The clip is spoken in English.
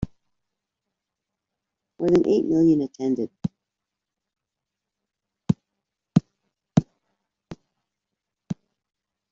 More than eight million attended.